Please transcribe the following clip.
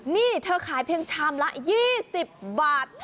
นี่เธอขายเพียงชามละ๒๐บาท